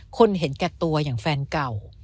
คนเห็นแก่ตัวอย่างแฟนเก่า